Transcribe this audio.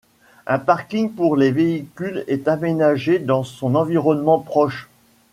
Un parking pour les véhicules est aménagé dans son environnement proche.